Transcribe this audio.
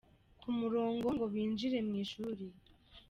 Ku murongo ngo binjire mu ishuri.